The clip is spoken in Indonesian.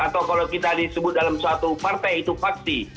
atau kalau kita disebut dalam suatu partai itu pasti